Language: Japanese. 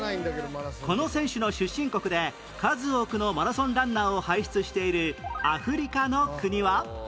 この選手の出身国で数多くのマラソンランナーを輩出しているアフリカの国は？